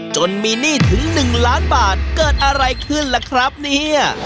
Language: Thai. จนมีหนี้ถึง๑ล้านบาทเกิดอะไรขึ้นล่ะครับเนี่ย